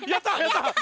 やった！